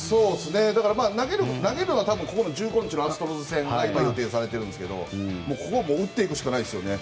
だから、投げるのはここの１５日のアストロズ戦が今、予定されてるんですがここは打っていくしかないですね。